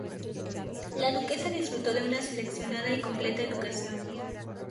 La duquesa disfrutó de una seleccionada y completa educación.